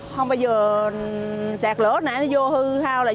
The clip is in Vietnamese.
không bao giờ xẹt lửa nữa nó vô hư hao là vô